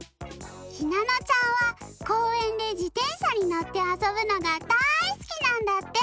ひなのちゃんはこうえんでじてんしゃにのってあそぶのがだいすきなんだって！